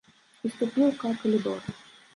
І ступіў ка калідор.